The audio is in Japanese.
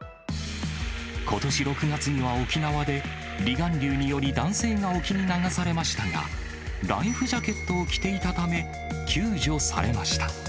ことし６月には沖縄で離岸流により男性が沖に流されましたが、ライフジャケットを着ていたため、救助されました。